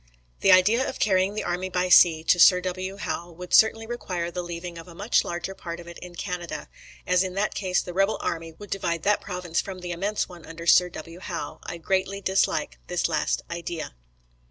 "The idea of carrying the army by sea to Sir W. Howe, would certainly require the leaving a much larger part of it in Canada, as in that case the rebel army would divide that province from the immense one under Sir W. Howe. I greatly dislike this last idea."